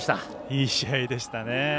いい試合でしたね。